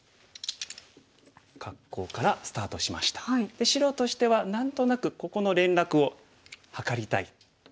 で白としては何となくここの連絡を図りたい。